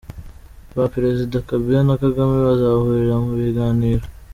Ba Perezida Kabila na Kagame bazahurira Mubiganiro